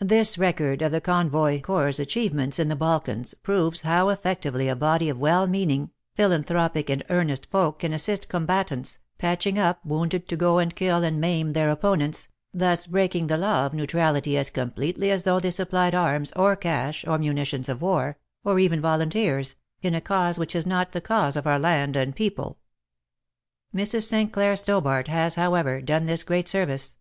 This record of the vlii PREFATORY NOTE Convoy Corps' achievements in the Balkans proves how effectively a body of well meaning, philanthropic and earnest folk can assist com batants, patching up wounded to go and kill and maim their opponents, thus breaking the law of neutrality as completely as though they supplied arms, or cash, or munitions of war, or even volunteers, in a cause which is not the cause of our land and people. Mrs. St. Clair Stobart has, however, done this great service.